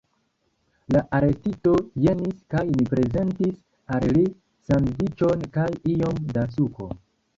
La arestito jesis, kaj ni prezentis al li sandviĉon kaj iom da suko.